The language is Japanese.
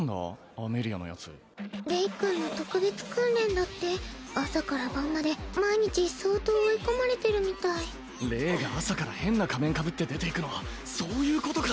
アメリアのヤツレイ君の特別訓練だって朝から晩まで毎日相当追い込まれてるみたいレイが朝から変な仮面かぶって出て行くのそういうことか！